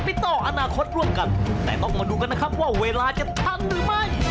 ติดต่ออนาคตร่วมกันแต่ต้องมาดูกันนะครับว่าเวลาจะทันหรือไม่